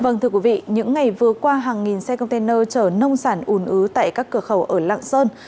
những ngày vừa qua hàng nghìn xe container chở nông sản ùn ứ tại các cửa khẩu ở lạng sơn